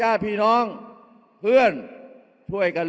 เอาข้างหลังลงซ้าย